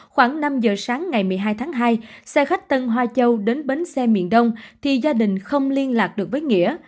khoảng năm giờ sáng ngày một mươi hai tháng hai xe khách tân hoa châu đến bến xe miền đông thì gia đình không liên lạc được với nghĩa